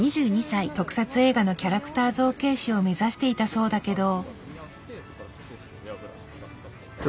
特撮映画のキャラクター造形師を目指していたそうだけど。